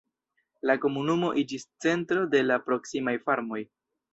La komunumo iĝis centro de la proksimaj farmoj.